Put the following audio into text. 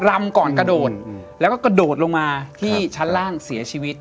รำก่อนกระโดดแล้วก็กระโดดลงมาที่ชั้นล่างเสียชีวิต